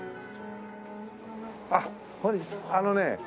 あっあのね